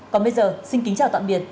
còn bây giờ xin kính chào tạm biệt